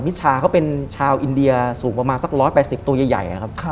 ชาเขาเป็นชาวอินเดียสูงประมาณสัก๑๘๐ตัวใหญ่นะครับ